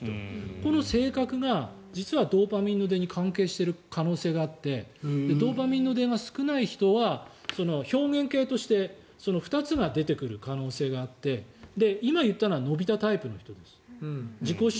この性格が実はドーパミンの出に関係している可能性があってドーパミンの出が少ない人は表現系として２つが出てくる可能性があって今言ったのはのび太タイプの人です。